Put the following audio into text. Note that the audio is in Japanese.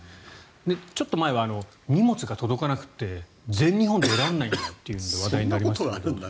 ちょっと前は、荷物が届かなくて全日本に出られないんだということで話題になりましたが。